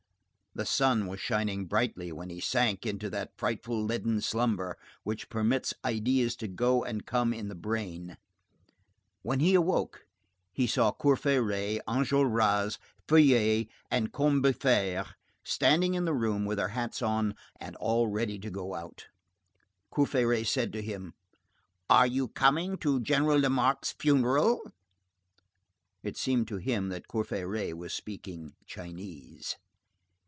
The sun was shining brightly when he sank into that frightful leaden slumber which permits ideas to go and come in the brain. When he awoke, he saw Courfeyrac, Enjolras, Feuilly, and Combeferre standing in the room with their hats on and all ready to go out. Courfeyrac said to him:— "Are you coming to General Lamarque's funeral?" It seemed to him that Courfeyrac was speaking Chinese.